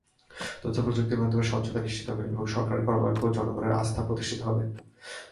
তথ্যপ্রযুক্তির মাধ্যমে স্বচ্ছতা নিশ্চিত হবে এবং সরকারের কর্মকাণ্ডে জনগণের আস্থা প্রতিষ্ঠিত হবে।